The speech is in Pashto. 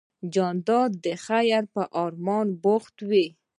جانداد د خیر په ارمان بوخت وي.